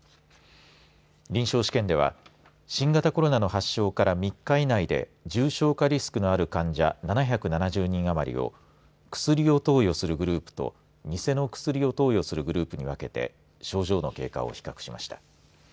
臨床試験では新型コロナの発症から３日以内で重症化リスクのある患者７７０人余りを薬を投与するグループと偽の薬を投与するグループに分けて症状の経過を比較しました。